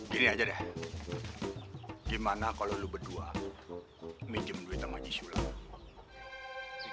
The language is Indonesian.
gini aja deh gimana kalau lo berdua minjem duit sama jisulam